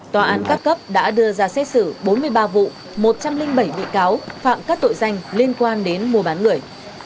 tòa án các cấp đã đưa ra xét xử bốn mươi ba vụ một trăm linh bảy bị cáo phạm các tội danh liên quan đến mua bán người